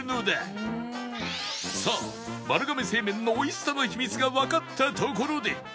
さあ丸亀製麺の美味しさの秘密がわかったところで